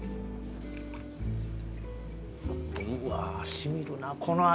うわあ染みるなこの味。